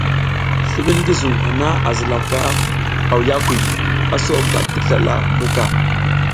Slimid ngi zuŋ hana a zilaka awiyakuy, a so bad ti slala mbuka.